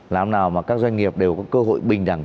làm nào mà các doanh nghiệp đều có cơ hội bình đẳng